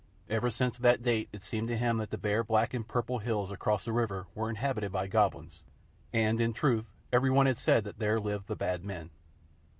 Ever since that date it seemed to him that the bare black and purple hills across the river were inhabited by Goblins, and, in truth, every one had said that there lived the Bad Men.